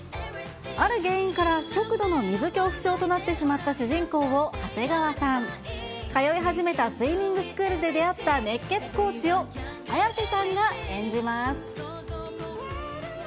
ある原因から極度の水恐怖症となってしまった主人公を長谷川さん、通い始めたスイミングスクールで出会った熱血コーチを、綾瀬さんが演じます。